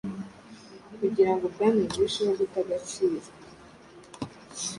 kugirango ubwami burusheho guta agaciro